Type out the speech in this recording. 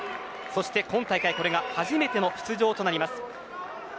そして今大会これが初めての出場となります。